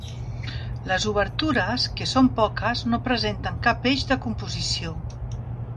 Les obertures, que són poques, no presenten cap eix de composició.